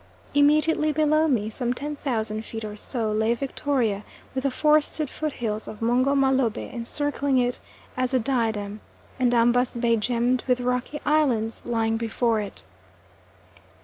Immediately below me, some 10,000 feet or so, lay Victoria with the forested foot hills of Mungo Mah Lobeh encircling it as a diadem, and Ambas Bay gemmed with rocky islands lying before it.